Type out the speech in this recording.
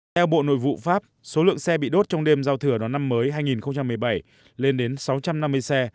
theo bộ nội vụ pháp số lượng xe bị đốt trong đêm giao thừa đón năm mới hai nghìn một mươi bảy lên đến sáu trăm năm mươi xe